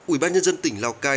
ủy ban nhân dân tỉnh lào cai